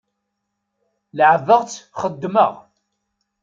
Leɛbeɣ-tt xeddmeɣ.